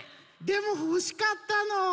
でもほしかったの。